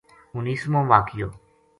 اُنیسمو واقعو